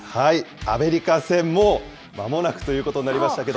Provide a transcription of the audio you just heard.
アメリカ戦、もうまもなくということになりましたけど。